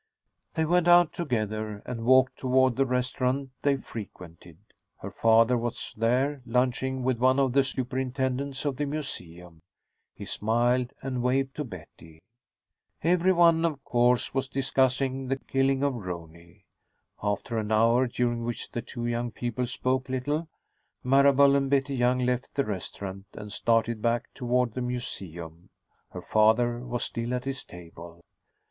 They went out together, and walked toward the restaurant they frequented. Her father was there, lunching with one of the superintendents of the museum. He smiled and waved to Betty. Everyone, of course, was discussing the killing of Rooney. After an hour, during which the two young people spoke little, Marable and Betty Young left the restaurant and started back toward the museum. Her father was still at his table.